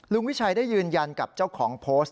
วิชัยได้ยืนยันกับเจ้าของโพสต์